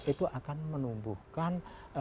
itu akan menumbuhkan